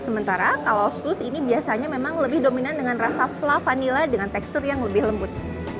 sementara kalau sus ini biasanya memang lebih dominan dengan rasa fla vanilla dengan tekstur yang lebih lembut